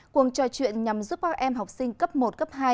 cuộc trò chuyện nhằm giúp các em học sinh cấp một cấp hai